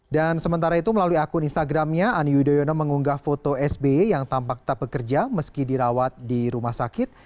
dan sementara itu melalui akun instagramnya ani yudhoyono mengunggah foto sbi yang tampak tak bekerja meski dirawat di rumah sakit